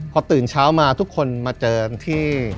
พอตื่นเช้ามาทุกคนมาเจอที่